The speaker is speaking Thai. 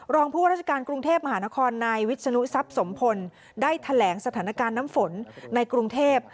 รองผู้ว่าราชการกรุงเทพมหานครนายวิศนุทรัพย์สมพลได้แถลงสถานการณ์น้ำฝนในกรุงเทพ